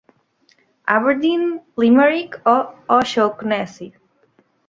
Aberdeen, Limerick o O'Shaughnessy.